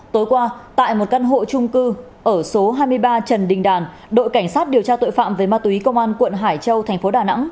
tối qua tại một căn hộ trung cư ở số hai mươi ba trần đình đàn đội cảnh sát điều tra tội phạm về ma túy công an quận hải châu thành phố đà nẵng